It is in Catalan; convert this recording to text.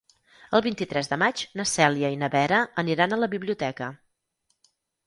El vint-i-tres de maig na Cèlia i na Vera aniran a la biblioteca.